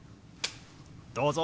どうぞ！